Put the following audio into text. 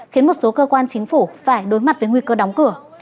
khiến một số cơ quan chính phủ phải đối mặt với nguy cơ đóng cửa